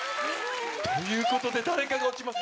ということで誰かが落ちます。